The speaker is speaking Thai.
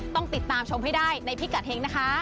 ต้องติดตามชมให้ได้ในพิกัดเฮงนะคะ